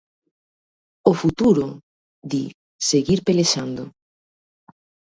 "O futuro?", di, "seguir pelexando".